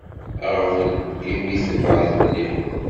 Aɣbel imi tebɛed mliḥ.